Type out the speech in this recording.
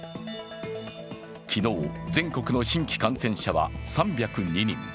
昨日、全国の新規感染者は３０２人。